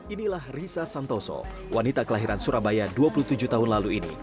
inilah risa santoso wanita kelahiran surabaya dua puluh tujuh tahun lalu ini